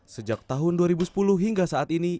sejak tahun dua ribu sepuluh hingga saat ini